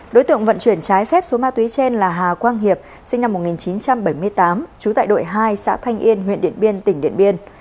đối tượng vận chuyển trái phép số ma túy trên là hà quang hiệp sinh năm một nghìn chín trăm bảy mươi tám trú tại đội hai xã thanh yên huyện điện biên tỉnh điện biên